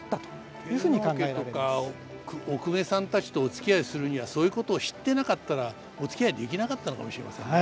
天皇家とかお公家さんたちとおつきあいするにはそういうことを知ってなかったらおつきあいできなかったのかもしれませんね。